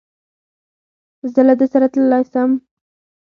زه له ده سره تللای سم؟